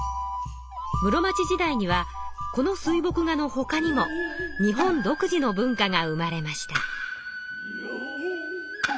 室町時代にはこの水墨画のほかにも日本独自の文化が生まれました。